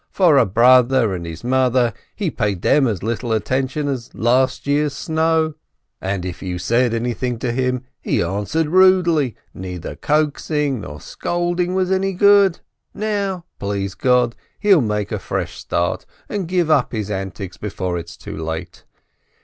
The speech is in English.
but for a brother and his mother, he paid them as much attention as last year's snow, and, if you said anything to him, he answered rudely, and neither coaxing nor scolding was any good. Now, please God, he'll make a fresh start, and give up his antics before it's too late.